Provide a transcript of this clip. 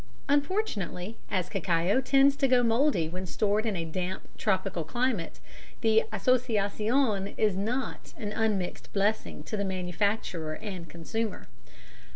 Unfortunately, as cacao tends to go mouldy when stored in a damp tropical climate, the Asociacion is not an unmixed blessing to the manufacturer and consumer.